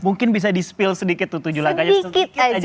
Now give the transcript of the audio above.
mungkin bisa di spill sedikit tujuh langkah